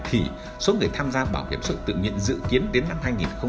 thì số người tham gia bảo hiểm xã hội tự nguyện dự kiến đến năm hai nghìn hai mươi